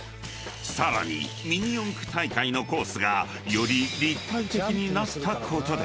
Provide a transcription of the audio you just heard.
［さらにミニ四駆大会のコースがより立体的になったことで］